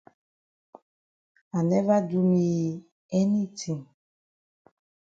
I never do me yi anytin.